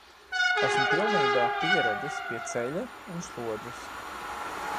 Esmu pilnībā pieradis pie ceļa un slodzes.